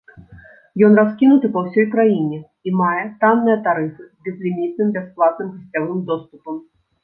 Ён раскінуты па ўсёй краіне і мае танныя тарыфы з безлімітным бясплатным гасцявым доступам.